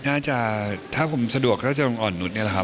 น่าจะถ้าผมสะดวกก็จะลงอ่อนนุษย์นี่แหละครับ